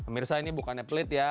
mirsa ini bukannya pelit ya